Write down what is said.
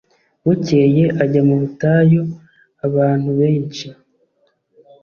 Bukeye ajya mu butayu abantu benshi